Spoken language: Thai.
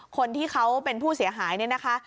คนที่เขาเป็นผู้เสียหายเนี่ยนะคะ